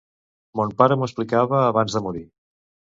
Mon pare m'ho explicava, abans de morir.